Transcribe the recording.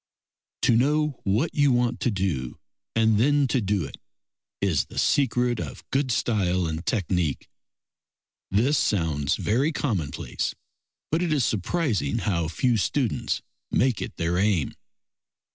To know what you want to do and then to do it is the secret of good style and technique. This sounds very commonplace, but it is surprising how few students make it their aim.